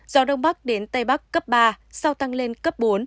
gió đông bắc đến tây bắc cấp ba sau tăng lên cấp bốn